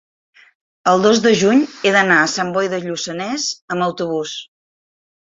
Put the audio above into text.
el dos de juny he d'anar a Sant Boi de Lluçanès amb autobús.